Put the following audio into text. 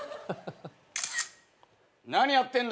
何やってんだよ？